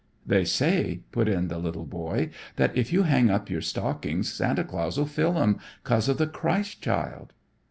"They say," put in the little boy, "that if you hang up your stockings, Santa Claus'll fill 'em, 'cause of the Christ Child."